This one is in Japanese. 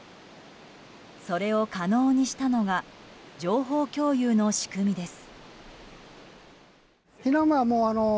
それを可能にしたのが情報共有の仕組みです。